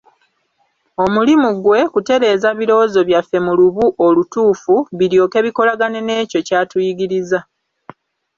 Omulimu gwe, kutereeza biriwoozo byaffe mu lubu olutuufu, biryoke bikolagane n'ekyo ky'atuyigiriza.